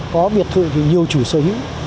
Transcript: có biệt thự thì nhiều chủ sở hữu